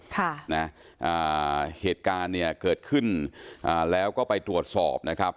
ค่ะนะอ่าเหตุการณ์เนี่ยเกิดขึ้นอ่าแล้วก็ไปตรวจสอบนะครับ